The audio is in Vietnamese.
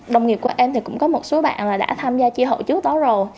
đồng nghiệp của em thì cũng có một số bạn đã tham gia chia hội trước đó rồi